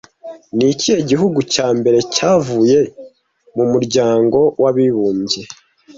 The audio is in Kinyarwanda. Ni ikihe gihugu cya mbere cyavuye mu Muryango w'Abibumbye